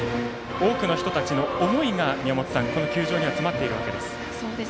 多くの人たちの思いがこの球場には詰まっているわけです。